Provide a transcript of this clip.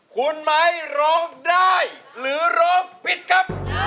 คุณไม้ร้องได้หรือร้องผิดครับ